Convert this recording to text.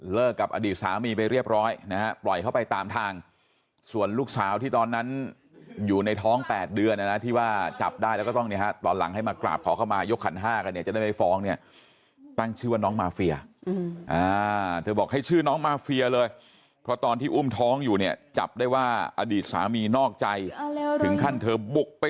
กับอดีตสามีไปเรียบร้อยนะฮะปล่อยเข้าไปตามทางส่วนลูกสาวที่ตอนนั้นอยู่ในท้อง๘เดือนนะนะที่ว่าจับได้แล้วก็ต้องเนี่ยฮะตอนหลังให้มากราบขอเข้ามายกขันห้ากันเนี่ยจะได้ไม่ฟ้องเนี่ยตั้งชื่อว่าน้องมาเฟียเธอบอกให้ชื่อน้องมาเฟียเลยเพราะตอนที่อุ้มท้องอยู่เนี่ยจับได้ว่าอดีตสามีนอกใจถึงขั้นเธอบุกไป